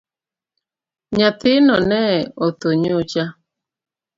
Nyathino ne otho nyocha